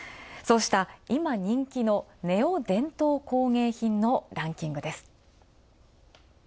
そうした今、人気のネオ伝統工芸品のランキングです。